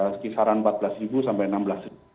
sekitaran rp empat belas sampai rp enam belas